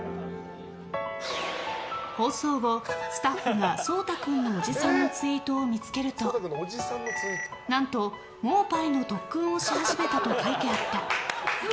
放送後、スタッフが蒼太君のおじさんのツイートを見つけると何と、盲牌の特訓をし始めたと書いてあった。